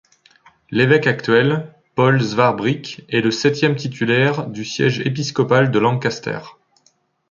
L'évêque actuel, Paul Swarbrick, est le septième titulaire du siège épiscopal de Lancaster.